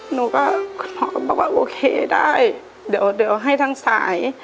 หนูก็คุณหมอก็บอกว่าโอเคได้เดี๋ยวให้ทางสาย